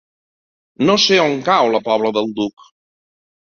No sé on cau la Pobla del Duc.